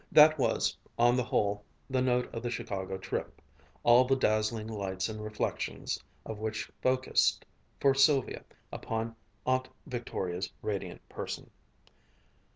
That was, on the whole, the note of the Chicago trip, all the dazzling lights and reflections of which focused, for Sylvia, upon Aunt Victoria's radiant person.